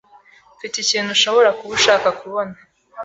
Mfite ikintu ushobora kuba ushaka kubona.